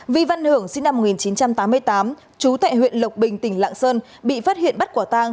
vi văn hưởng sinh năm một nghìn chín trăm tám mươi tám trú tại huyện lộc bình tỉnh lạng sơn bị phát hiện bắt quả tang